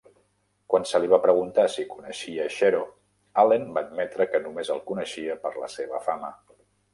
Quan se li va preguntar si coneixia Shero, Allen va admetre que només el coneixia per la seva fama.